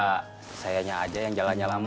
enggak sayangnya aja yang jalannya lama